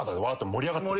盛り上がってる。